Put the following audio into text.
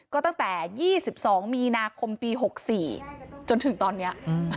ก็ตั้งแต่๒๒มีนาคมปี๖๔จนถึงตอนนี้